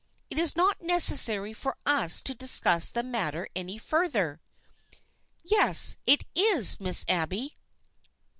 It is not necessary for us to discuss the matter any further." "Yes, it is, Miss Abby